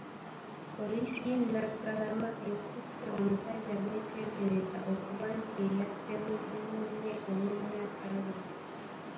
Poliisi y'e Naggalama ekutte omusajja gweteebereza okuba nti yeyatemudde munne ow'emyaka abiri.